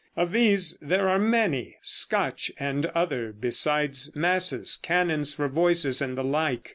Of these there are many, Scotch and other, besides masses, canons for voices and the like.